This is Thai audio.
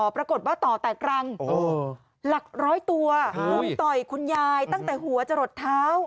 ปรากฏว่าต่อแตกรังหลักร้อยตัวลุมต่อยคุณยายตั้งแต่หัวจะหลดเท้า